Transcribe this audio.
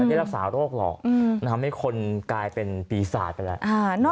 มันได้รักษาโรคหรอกอืมนะครับมันทำให้คนกลายเป็นปีศาจไปแล้วอ่า